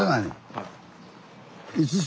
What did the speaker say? はい。